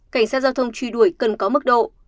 cảnh sát giao thông truy đuổi cần có mức độ